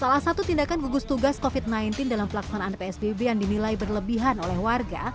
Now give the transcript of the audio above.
salah satu tindakan gugus tugas covid sembilan belas dalam pelaksanaan psbb yang dinilai berlebihan oleh warga